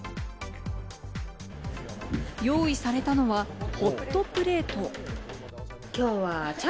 用意されたのはホットプレート。